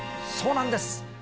そうなんです。